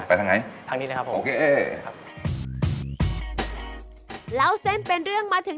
ไปทางไหน